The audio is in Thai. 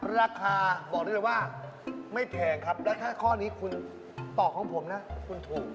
ราคาบอกได้เลยว่าไม่แพงครับและถ้าข้อนี้คุณตอบของผมนะคุณถูก